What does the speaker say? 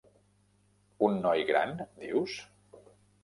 Un noi gran, dius?